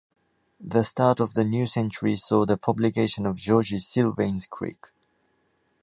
The start of the new century saw the publication of Georges Sylvain's Cric?